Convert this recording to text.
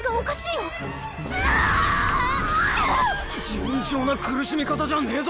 尋常な苦しみ方じゃねぇぞ。